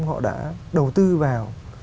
họ đã đầu tư vào